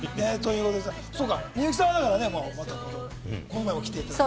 みゆきさん、この間も来ていただいて。